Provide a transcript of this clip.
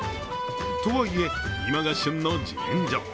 とはいえ、今が旬の自然薯。